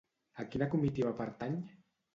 A quina comitiva pertany?